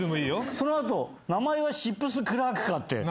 その後「名前シップスクラークか」って。